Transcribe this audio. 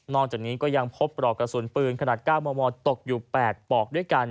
จากนี้ก็ยังพบปลอกกระสุนปืนขนาด๙มมตกอยู่๘ปลอกด้วยกัน